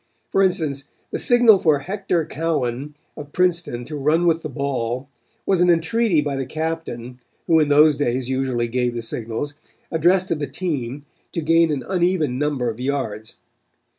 For instance, the signal for Hector Cowan of Princeton to run with the ball was an entreaty by the captain, who in those days usually gave the signals, addressed to the team, to gain an uneven number of yards.